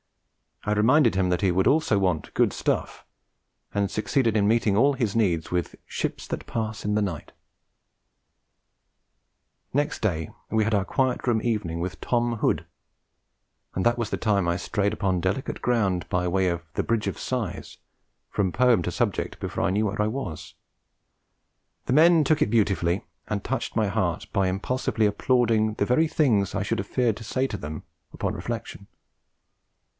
I reminded him that he would also want Good Stuff, and succeeded in meeting all his needs with Ships that Pass in the Night. Next day we had our Quiet Room Evening with Tom Hood; and that was the time I strayed upon delicate ground by way of 'The Bridge of Sighs,' from poem to subject before I knew where I was. The men took it beautifully, and touched my heart by impulsively applauding the very things I should have feared to say to them upon reflection.